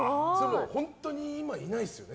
本当に今いないですよね